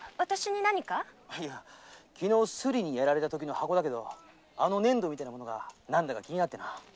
いや昨日スリに狙われたときの箱だけどあの粘土みたいなものが何だか気になってな。